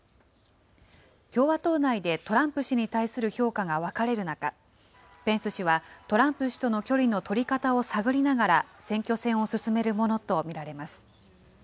共和党内でトランプ氏に対する評価が分かれる中、ペンス氏はトランプ氏との距離の取り方を探りながら、選挙戦を進めるものと見られます。